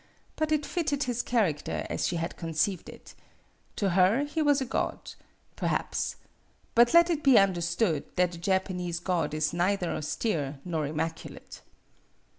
But it fitted his character as she had conceived it. To her he was a god, perhaps. But let it be understood that a Japanese god is neither austere nor immaculate.